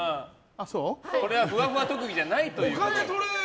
これはふわふわ特技じゃないということで。